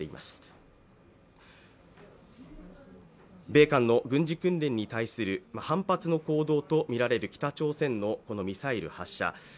米韓の軍事訓練に対する反発の行動と見られる北朝鮮のこのミサイル発射。